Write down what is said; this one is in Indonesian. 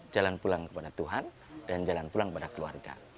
jalan pulang kepada tuhan dan jalan pulang kepada keluarga